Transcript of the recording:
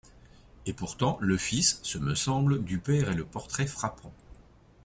Et pourtant, le fils, ce me semble, Du père est le portrait frappant !